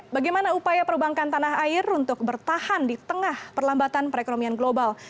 bagaimana upaya perbankan tanah air untuk bertahan di tengah perlambatan perekonomian global